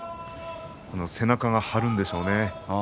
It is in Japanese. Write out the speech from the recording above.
背中が張るんでしょうね。